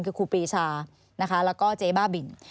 คือครูปรีชานะคะแล้วก็เจ๊บ้าบิน